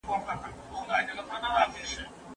رحمان بابا د سېلابونو په اړه یادونه کړې ده.